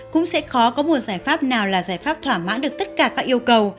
cũng sẽ khó có một giải pháp nào là giải pháp thỏa mãn được tất cả các yêu cầu